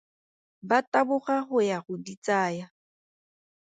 Ba taboga go ya go di tsaya.